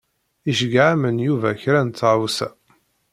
Iceyyeɛ-am-n Yuba kra n tɣawsa.